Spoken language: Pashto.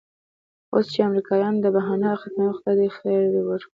اوس چې امریکایان دا بهانه ختموي خدای دې خیر ورکړي.